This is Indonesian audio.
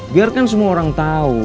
biarkan semua orang tahu